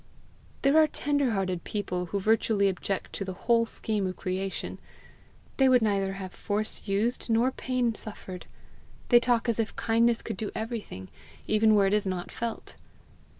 There are tender hearted people who virtually object to the whole scheme of creation; they would neither have force used nor pain suffered; they talk as if kindness could do everything, even where it is not felt.